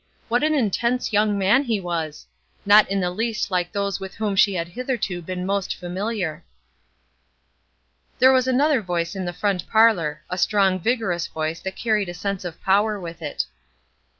What an intense young man he was! Not in the least like those with whom she had hitherto been most familiar. There was another voice in the front parlor a strong, vigorous voice that carried a sense of power with it.